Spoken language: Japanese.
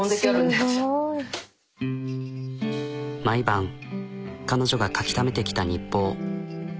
毎晩彼女が書きためてきた日報。